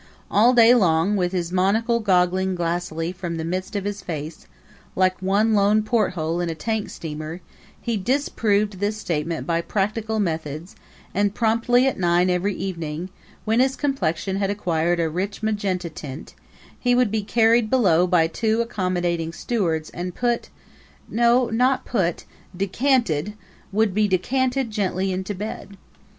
All day long, with his monocle goggling glassily from the midst of his face, like one lone porthole in a tank steamer, he disproved this statement by practical methods and promptly at nine every evening, when his complexion had acquired a rich magenta tint, he would be carried below by two accommodating stewards and put no, not put, decanted would be decanted gently into bed.